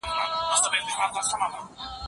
ستا خبرې زما د ژوند د تیارو لپاره یو روښانه مشال و.